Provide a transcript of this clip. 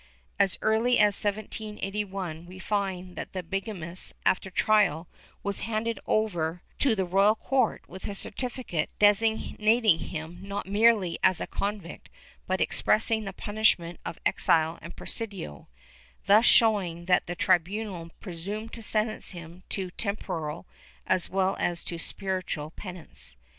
As early as 1781, we find that the bigamist, after trial, was handed over to the royal court with a certificate designating him not merely as a convict but expressing the punishment of exile and presidio, thus showing that the tribunal presumed to sentence him to tem poral as well as to spiritual penance.